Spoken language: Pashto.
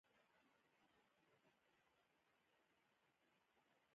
ما ځواب ورکړ: میرمن مې د کوچني مریضي لري، روغتون کې ده.